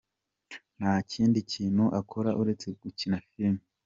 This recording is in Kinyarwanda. Nta kindi kintu akora uretse gukina filime.